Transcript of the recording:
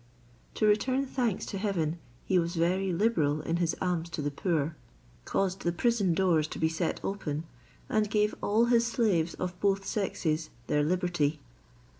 To return thanks to heaven, he was very liberal in his alms to the poor, caused the prison doors to be set open, and gave all his slaves of both sexes their liberty.